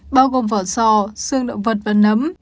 bao gồm vỏ sò xương động vật và nấm